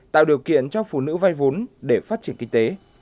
tạo điều kiện cho phụ nữ vay vốn để phát triển kinh tế